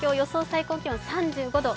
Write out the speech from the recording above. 最高気温３５度。